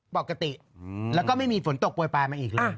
ปกติแล้วก็ไม่มีฝนตกโปรยปลายมาอีกเลย